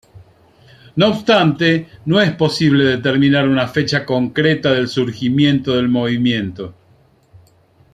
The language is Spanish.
No obstante, no es posible determinar una fecha concreta del surgimiento del movimiento.